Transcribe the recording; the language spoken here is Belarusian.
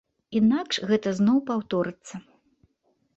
Інакш гэта зноў паўторыцца.